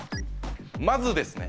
まずですね